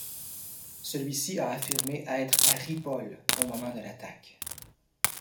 Celui-ci a affirmé être à Ripoll au moment de l'attaque.